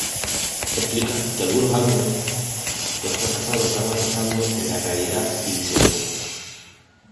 Explica que algunos álbumes que han fracasado están arrasando en realidad y viceversa.